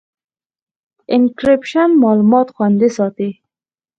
انکریپشن معلومات خوندي ساتي.